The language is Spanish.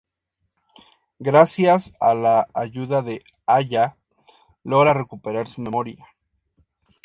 Gracias a la ayuda de Aya logra recuperar su memoria.